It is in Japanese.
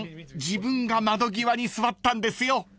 自分が窓際に座ったんですよ］